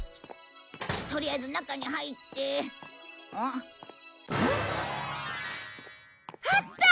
とりあえず中に入ってん？あった！